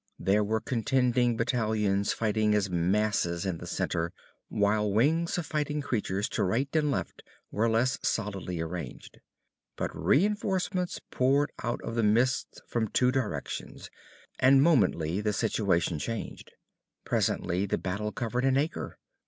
There were contending battalions fighting as masses in the center, while wings of fighting creatures to right and left were less solidly arranged. But reinforcements poured out of the mist from two directions, and momently the situation changed. Presently the battle covered an acre.